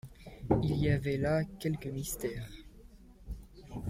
Il y avait là quelque mystère.